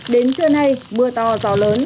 đến trưa nay mưa to gió lớn